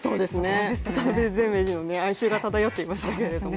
渡辺前名人も哀愁が漂っていましたけれども。